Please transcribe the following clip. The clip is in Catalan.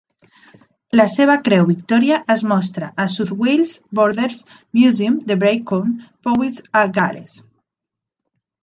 La seva Creu Victoria es mostra South Wales Borderers Museum de Brecon (Powys), a Gal·les.